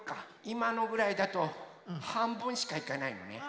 いまのぐらいだとはんぶんしかいかないのね。